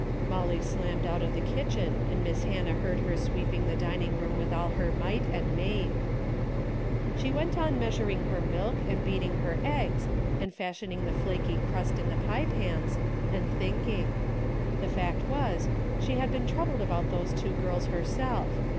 Molly slammed out of the kitchen and Miss Hannah heard her sweeping the dining room with all her might and main. She went on measuring her milk and beat ing her eggs, and fashioning the flaky crust in the pie pans, and thinking. The fact was she had been troubled about those two girls her self.